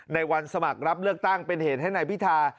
ในวันสมัครรับเลือกตั้งเป็นเหตุให้นายพิธา